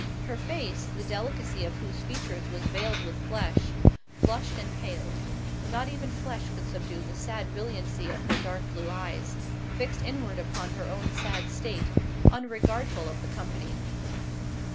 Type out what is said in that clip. Her face, the delicacy of whose features was veiled with flesh, flushed and paled. Not even flesh could subdue the sad brilliancy of her dark blue eyes, fixed inward upon her own sad state, unregardful of the company.